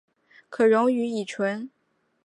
可溶于乙醇。